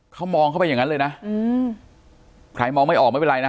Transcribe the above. เขามองเข้าไปอย่างนั้นเลยนะใครมองไม่ออกไม่เป็นไรนะ